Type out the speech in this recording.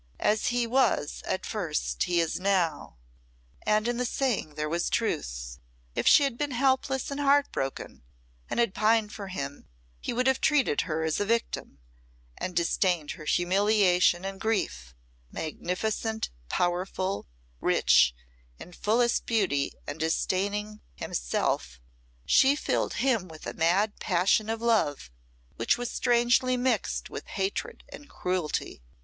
"As he was at first he is now," and in the saying there was truth. If she had been helpless and heartbroken, and had pined for him, he would have treated her as a victim, and disdained her humiliation and grief; magnificent, powerful, rich, in fullest beauty, and disdaining himself, she filled him with a mad passion of love which was strangely mixed with hatred and cruelty.